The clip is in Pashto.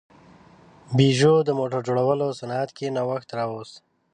پيژو د موټر جوړولو صنعت کې نوښت راوست.